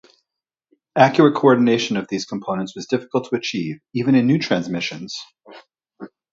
Accurate coordination of these components was difficult to achieve, even in new transmissions.